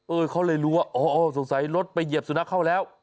เขาเลยรู้ว่าอ๋อสงสัยรถไปเหยียบสุนัขเข้าแล้ว